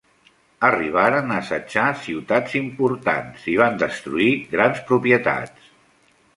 Arribaren a assetjar ciutats importants, i van destruir grans propietats.